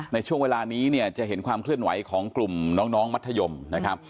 ในช่วงเวลานี้เนี่ยจะเห็นความเคลื่อนไหวของกลุ่มน้องมัธยมนะครับ